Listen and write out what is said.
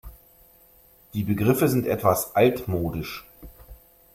Die Begriffe sind etwas altmodisch.